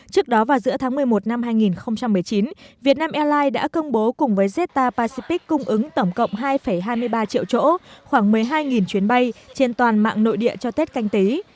trước đó vào giữa tháng một mươi một năm hai nghìn một mươi chín việt nam airlines đã công bố cùng với zeta pacific cung ứng tổng cộng hai hai mươi ba triệu chỗ khoảng một mươi hai chuyến bay trên toàn mạng nội địa cho tết canh tí